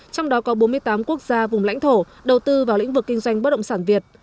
trong đó có bốn mươi tám quốc gia vùng lãnh thổ đầu tư vào lĩnh vực kinh doanh bất động sản việt